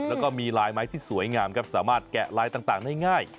แล้วก็มีลายไม้ที่สวยงามครับสามารถแกะลายต่างได้ง่าย